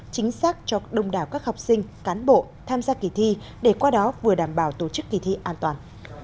chính xác cho đông đảo các học sinh cán bộ tham gia kỳ thi để qua đó vừa đảm bảo tổ chức kỳ thi an toàn